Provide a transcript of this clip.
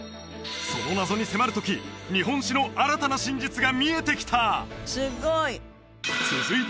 その謎に迫る時日本史の新たな真実が見えてきたすごい！